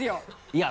いや！